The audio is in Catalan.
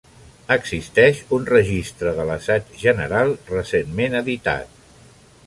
Existeix un registre de l'assaig general, recentment editat.